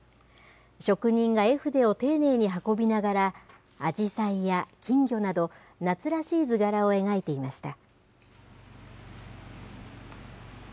職人が絵筆を丁寧に運びながら、あじさいや金魚など、夏らしい図柄を描いていました。